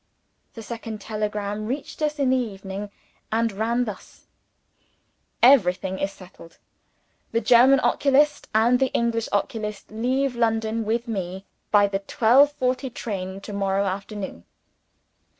The second telegram reached us in the evening, and ran thus: "Everything is settled. The German oculist and the English oculist leave London with me, by the twelve forty train to morrow afternoon."